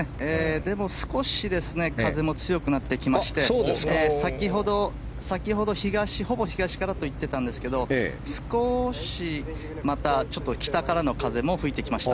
でも、少し風も強くなってきまして先ほどほぼ東からと言っていたんですが少しまた北からの風も吹いてきました。